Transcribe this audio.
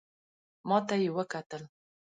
ماته یې وکتل .